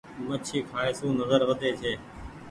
مڇي کآئي سون نزر وڌي ڇي۔